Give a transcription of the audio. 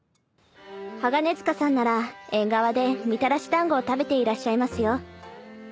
鋼鐵塚さんなら縁側でみたらし団子を食べていらっしゃいますよ。